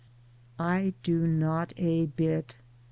I do not a bit.